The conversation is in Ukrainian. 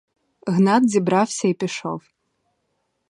Гнат зібрався і пішов.